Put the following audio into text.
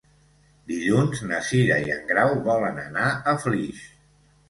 Dilluns na Cira i en Grau volen anar a Flix.